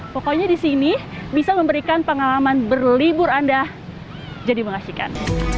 pokoknya di sini bisa memberikan pengalaman berlibur anda jadi mengasihkan